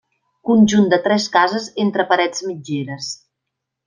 Conjunt de tres cases entre parets mitgeres.